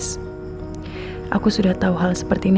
soal apa sih yang kamu mau ambil berikut riri